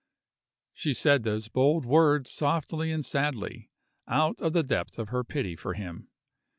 She said those bold words softly and sadly, out of the depth of her pity for him.